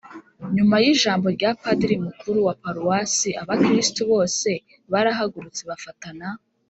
nyuma y’ijambo rya padiri mukuru wa paruwasi, abakristu bose barahagurutse bafatana